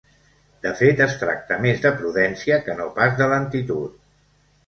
De fet, es tracta més de prudència que no pas de lentitud.